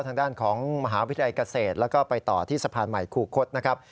ทางด้านของมหาวิทยาลัยเกษตรแล้วก็ไปต่อที่สะพานใหม่คูคศนะครับ